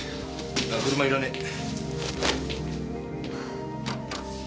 ああ車いらねえ。